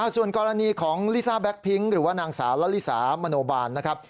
ส่วนกรณีของลิซ่าแก๊กพิ้งหรือว่านางสาวละลิสามโนบาลนะครับ